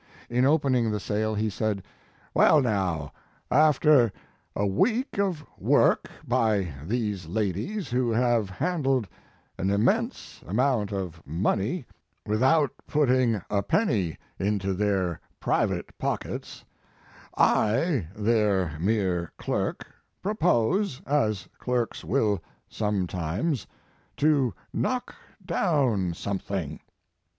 In opening the sale he said: "Well, now, after a week of work by these ladies, who have handled an immense amount of money without putting a penny into their private pockets, I, their mere clerk, propose, as clerks will sometimes, to knock dow \ something."